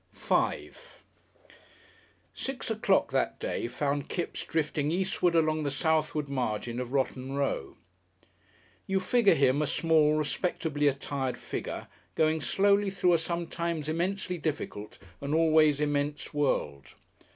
§5 Six o'clock that day found Kipps drifting eastward along the southward margin of Rotten Row. You figure him a small, respectably attired figure going slowly through a sometimes immensely difficult and always immense world.